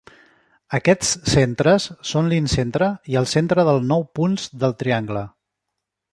Aquests centres són l'incentre i el centre del nou punts del triangle.